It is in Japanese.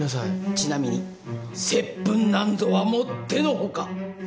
ちなみに接吻なんぞはもっての外。